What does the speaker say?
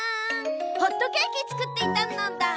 ホットケーキつくっていたのだ。